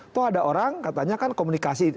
toh ada orang katanya kan komunikasi